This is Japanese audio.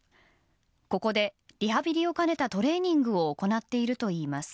ここで、リハビリを兼ねたトレーニングを行っているといいます。